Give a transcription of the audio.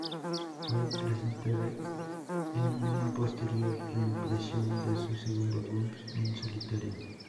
Fue presentada en una posterior reimpresión de su segundo álbum en solitario.